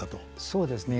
そうですね。